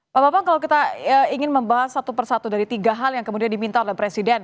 pak bapak kalau kita ingin membahas satu persatu dari tiga hal yang kemudian diminta oleh presiden